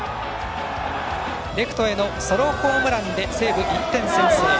レフトへのソロホームランで西武、１点先制。